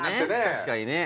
確かにね